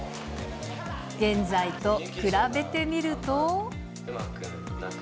現在と比べてみると。